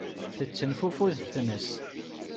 Tettenfufud tmes.